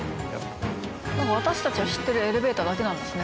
私たちが知ってるエレベーターだけなんですね。